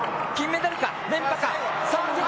金メダルか。